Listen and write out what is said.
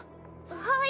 はい。